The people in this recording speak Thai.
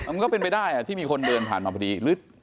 มันก็เป็นไปได้ที่มีคนเดินผ่านมาพอดีหรือ